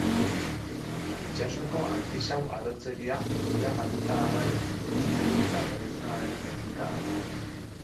Itsasoko artisau arotzeria, ia galduta dagoen ontzigintza tradizionalaren teknika da.